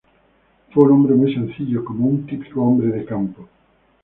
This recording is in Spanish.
Fue un hombre muy sencillo, como un típico hombre de campo.